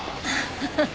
ハハハ。